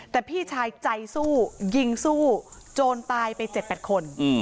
แต่พี่ชายใจสู้ยิงสู้โจรตายไป๗๘คน